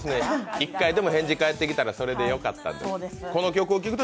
一回でも返事返ってきたらそれでよかったと。